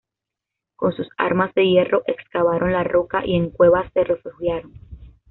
Con sus armas de hierro excavaron la roca y en cuevas se refugiaron.